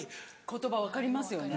言葉分かりますよね。